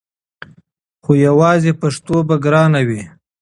خو یواځې پښتو به ګرانه وي!